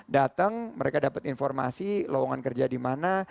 datang mereka dapat informasi lowongan kerja di mana